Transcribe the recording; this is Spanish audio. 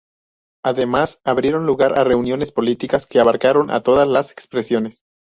Además abrieron el lugar a reuniones políticas que abarcaron a todas las expresiones.